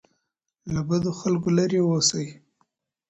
له بدو خلګو لري اوسئ.